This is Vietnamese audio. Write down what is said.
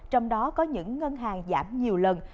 trong đó có những ngân hàng giảm nhiều lần